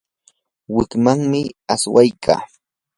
wikmanmi aywaykaa.